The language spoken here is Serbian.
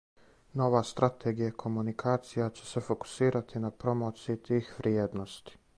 Нова стратегија комуникација ће се фокусирати на промоцији тих вриједности.